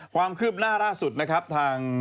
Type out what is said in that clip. ความคืบหน้าล่าสุดนะครับทาง